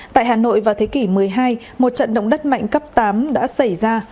tại hà nội vào thế kỷ một mươi hai một trận động đất mạnh cấp tám đã xảy ra